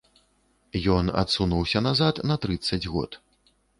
Ён адсунуўся назад на трыццаць год.